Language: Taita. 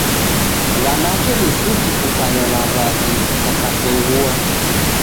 W'anake ni suti kukanya na w'avi w'ikakazoghua.